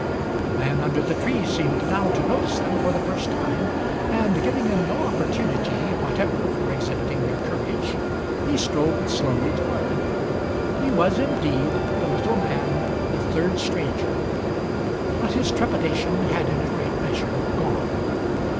The man under the tree seemed now to notice them for the first time, and, giving them no opportunity whatever for exhibiting their courage, he strolled slowly toward them. He was, indeed, the little man, the third stranger, but his trepidation had in a great measure gone.